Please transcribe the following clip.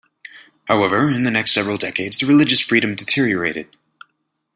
However, in the next several decades the religious freedom deteriorated.